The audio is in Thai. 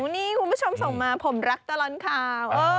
นี่คุณผู้ชมส่งมาผมรักตลอดข่าว